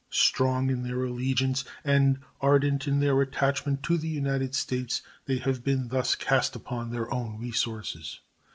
Strong in their allegiance and ardent in their attachment to the United States, they have been thus cast upon their own resources.